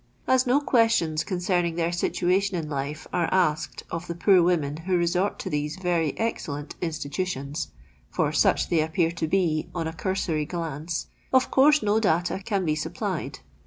As no questions concerning their situation in lite nre asked of the poor women who resort to these very excellent institutions (for such they appear to be on a cursory ghince) of conrse no data can be supplied.